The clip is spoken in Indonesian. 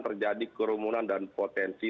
terjadi keremunan dan potensi